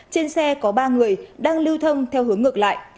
trên xe có ba người đang lưu thông theo hướng ngược lại